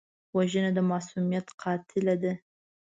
وژنه د معصومیت قاتله ده